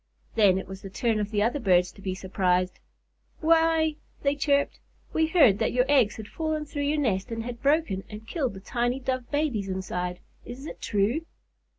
Then it was the turn of the other birds to be surprised. "Why," they chirped, "we heard that your eggs had fallen through your nest and had broken and killed the tiny Dove babies inside. Is it true?"